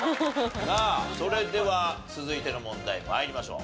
さあそれでは続いての問題参りましょう。